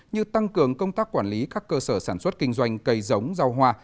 như tăng cường công tác quản lý các cơ sở sản xuất kinh doanh cây giống rau hoa